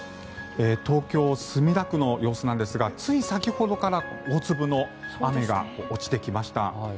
東京・墨田区の様子なんですがつい先ほどから大粒の雨が落ちてきました。